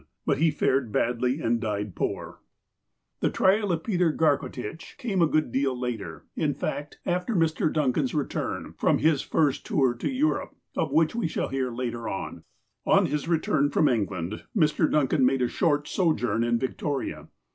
But he fared badly, and died poor. FROM JUDGE DUNCAN'S DOCKET 209 Tlie trial of Peter Garcotitch came a good deal later, in fact, after Mr. Duncan's return from his first tour to Europe, of which we shall hear later on. On his return from England, Mr. Duncan made a short sojourn in Victoria.